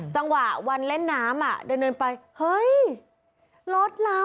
จังหวะวันเล่นน้ำเดินไปเฮ้ยรถเรา